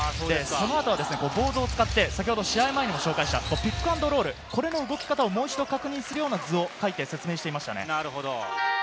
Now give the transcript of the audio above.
その後はボードを使って試合前にも紹介したピックアンドロール、この動き方をもう一度、確認するような図を書いて説明していましたね。